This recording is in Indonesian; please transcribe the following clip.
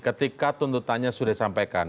ketika tuntutannya sudah disampaikan